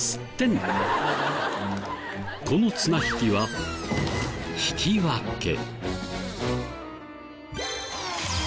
この綱引きは引き分け。